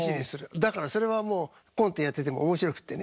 だからそれはもうコントやってても面白くってね。